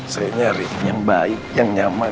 saya nyari yang baik yang nyaman